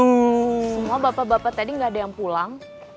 semua bapak bapak tadi gak ada yang pulang